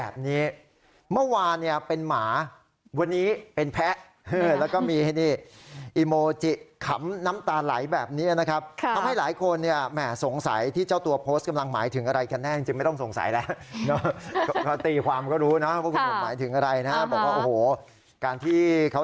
คนนี้ก็จะมาดูแลเขาแทนลูกสาวเขา